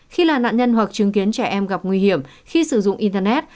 khi là nạn nhân hoặc chứng kiến trẻ em gặp nguy hiểm khi sử dụng internet